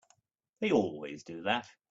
They always do that.